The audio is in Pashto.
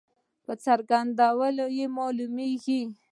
په څرګنده معلومیږي.